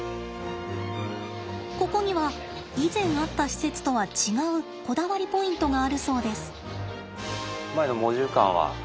ここには以前あった施設とは違うこだわりポイントがあるそうです。